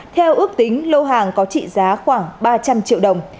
theo ước tính lô hàng có trị giá khoảng ba trăm linh triệu đồng